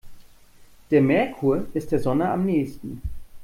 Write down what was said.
Der Merkur ist der Sonne am nähesten.